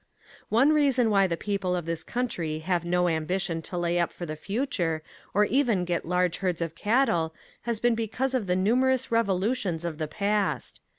One reason why the people of this country have no ambition to lay up for the future or even get large herds of cattle has been because of the numerous revolutions of the past.